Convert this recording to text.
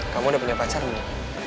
kamu udah punya pacar belum